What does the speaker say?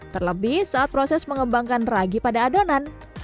terlebih saat proses mengembangkan ragi pada adonan